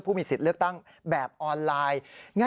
ผู้มีสิทธิ์เลือกตั้งแบบออนไลน์